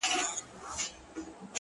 گراني په تا باندي چا كوډي كړي،